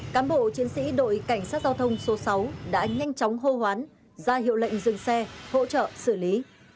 cám bộ chiến sĩ đội cảnh sát giao thông số sáu đã nhanh chóng hô hoán ra hiệu lệnh dừng xe hỗ trợ xử lý